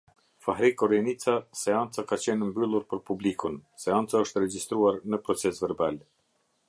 Fahri Korenica, seanca ka qenë mbyllur për publikun, seanca është regjistruar në procesverbal.